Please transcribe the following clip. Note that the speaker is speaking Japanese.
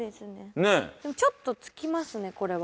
ちょっとつきますねこれは。